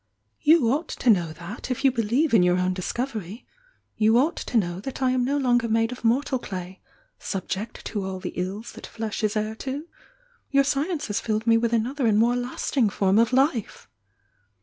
You ought to know that if you bdieve in your own discovery. You ought to know that I am no longer made of mortal clay, 'subject to all tlie iUs that flesh is heir to.' Your science has filled me with another and more lasting form of life!"